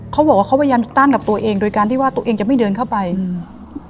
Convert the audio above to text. เขาบอกว่าเขาพยายามจะตั้นกับตัวเองโดยการที่ว่าตัวเองจะไม่เดินเข้าไปอืม